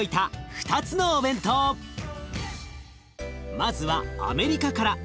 まずはアメリカから。